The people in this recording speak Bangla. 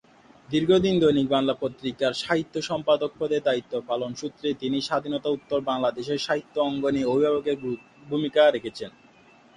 দীর্ঘ দিন দৈনিক বাংলা পত্রিকার সাহিত্য সম্পাদক পদের দায়িত্ব পালন সূত্রে তিনি স্বাধীনতা-উত্তর বাংলাদেশের সাহিত্য অঙ্গনে অভিভাবকের ভূমিকা রেখেছেন।